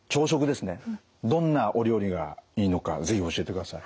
どんなお料理がいいのか是非教えてください。